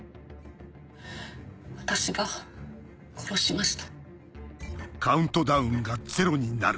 私が殺しました。